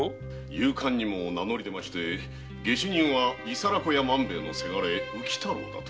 勇敢に名乗り出て下手人は伊皿子屋万兵衛の倅・浮太郎だと。